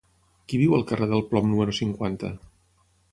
Qui viu al carrer del Plom número cinquanta?